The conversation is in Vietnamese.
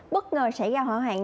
bất ngờ xảy ra hỏa hoạn